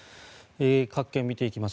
各県を見ていきます。